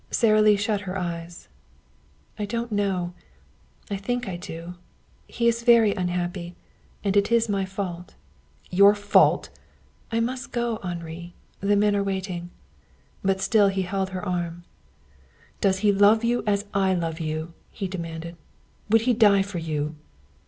Sara Lee shut her eyes. "I don't know. I think I do. He is very unhappy, and it is my fault." "Your fault!" "I must go, Henri. The men are waiting." But he still held her arm. "Does he love you as I love you?" he demanded. "Would he die for you?"